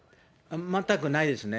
全くないですね。